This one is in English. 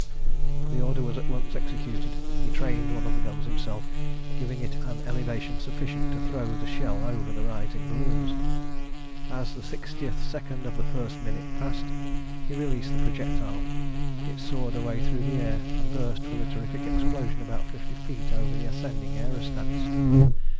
The order was at once executed. He trained one of the guns himself, giving it an elevation sufficient to throw the shell over the rising balloons. As the sixtieth second of the first minute passed, he released the projectile. It soared away through the air, and burst with a terrific explosion about fifty feet over the ascending aerostats.